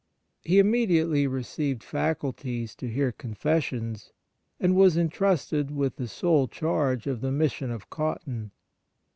He immediately received faculties to hear confessions, and was entrusted with the sole charge of the Mission of Cotton.